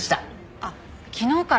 あっ昨日から？